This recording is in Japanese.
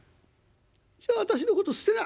「じゃあ私のこと捨てない？」。